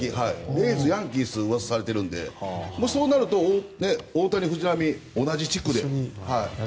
レイズ、ヤンキースが噂されているのでそうなると大谷、藤浪同じ地区でね。